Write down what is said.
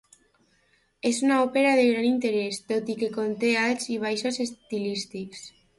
És una òpera de gran interès, tot i que conté alts i baixos estilístics.